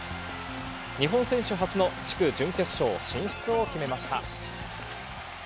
日本選手初の地区準決勝進出を決めました。